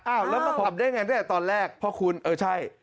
อ้าวแล้วมันขับได้ยังไงได้ตอนแรกเพราะคุณเออใช่